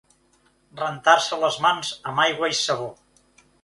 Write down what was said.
Rentar-se les mans amb aigua i sabó.